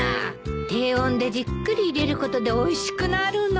低温でじっくり入れることでおいしくなるの。